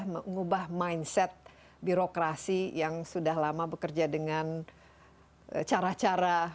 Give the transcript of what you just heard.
mengubah mindset birokrasi yang sudah lama bekerja dengan cara cara